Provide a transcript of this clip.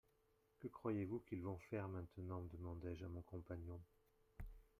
Que croyez-vous qu'ils vont faire maintenant ? demandai-je à mon compagnon.